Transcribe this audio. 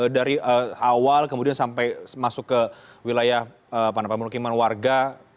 dari awal kemudian sampai masuk ke wilayah pemukiman warga